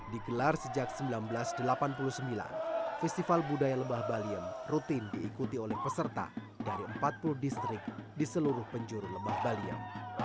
digelar sejak seribu sembilan ratus delapan puluh sembilan festival budaya lebah baliem rutin diikuti oleh peserta dari empat puluh distrik di seluruh penjuru lebah baliem